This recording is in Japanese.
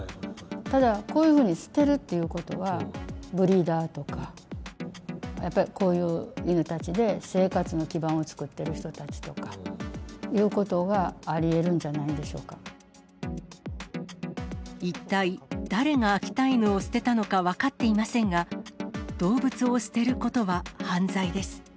ただ、こういうふうに捨てるということは、ブリーダーとか、やっぱりこういう犬たちで、生活の基盤を作ってる人たちとかということがありえるんじゃない一体誰が秋田犬を捨てたのか分かっていませんが、動物を捨てることは犯罪です。